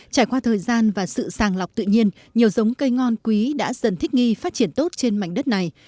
trải qua thời gian và sự sàng lọc tự nhiên nhiều giống cây ngon quý đã dần thích nghi phát triển tốt trên mảnh đất này